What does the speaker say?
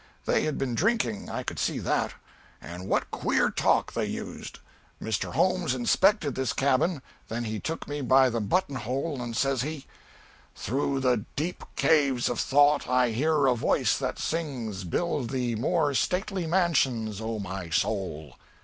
They had been drinking, I could see that. And what queer talk they used! Mr. Holmes inspected this cabin, then he took me by the buttonhole, and says he "'Through the deep cares of thought I hear a voice that sings, Build thee more stately mansions, O my soul!'